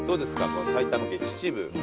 この埼玉県秩父。